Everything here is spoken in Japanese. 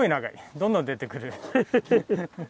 どんどん出てくる。